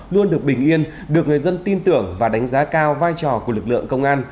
luôn được bình yên được người dân tin tưởng và đánh giá cao vai trò của lực lượng công an